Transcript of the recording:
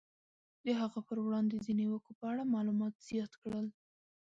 د هغه پر وړاندې د نیوکو په اړه معلومات زیات کړل.